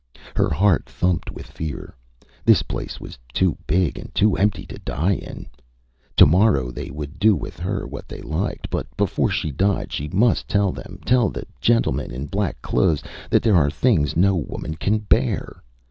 Her heart thumped with fear. This place was too big and too empty to die in. To morrow they would do with her what they liked. But before she died she must tell them tell the gentlemen in black clothes that there are things no woman can bear.